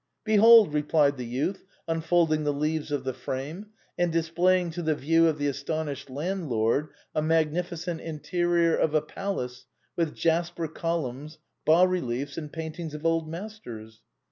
" Behold !" replied the youth, unfolding the leaves of the frame, and displaying to the view of the astonished landlord a magnificent interior of a palace, with jasper columns, bas reliefs, and paintings of old masters.